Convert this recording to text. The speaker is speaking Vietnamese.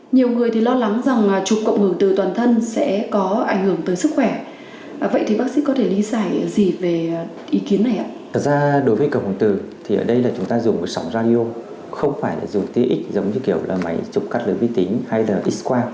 nhiều người lo lắng rằng trục cộng hồn từ toàn thân sẽ có ảnh hưởng tới sức khỏe